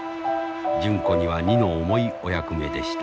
純子には荷の重いお役目でした。